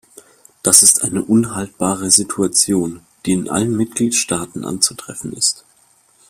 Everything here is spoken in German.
Das ist eine unhaltbare Situation, die in allen Mitgliedstaaten anzutreffen ist.